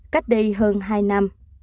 cách đây hơn hai năm